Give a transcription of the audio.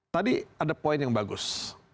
tadi ada poin yang bagus